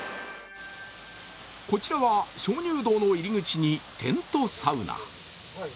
こちらは鍾乳洞の入り口にテントサウナ。